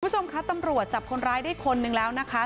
คุณผู้ชมคะตำรวจจับคนร้ายได้คนนึงแล้วนะคะ